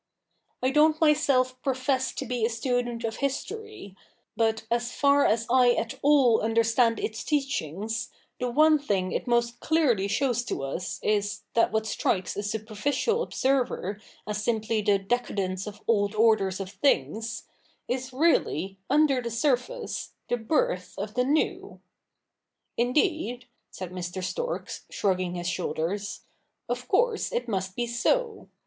1 don't myself profess to be a student of history ; but, as far as I at all understand its teachings, the one thing it most clearly shows to us is, that what strikes a super ficial observer as simply the decadence of old orders of things, is really, under the surface, the birth of the new. Indeed,' said Mr. Storks, shrugging his shoulders, ' of course it must be so.